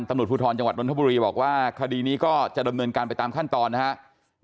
ตำรวจภูทรจังหวัดนทบุรีบอกว่าคดีนี้ก็จะดำเนินการไปตามขั้นตอนนะครับ